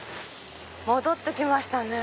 戻って来ましたね。